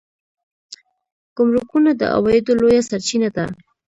ګمرکونه د عوایدو لویه سرچینه ده